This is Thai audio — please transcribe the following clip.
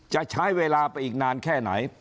จะใช้เวลาไปอีกนานแค่ไหน